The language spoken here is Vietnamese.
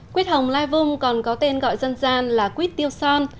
quyết hồng lai vung còn có tên gọi dân gian là quyết tiêu son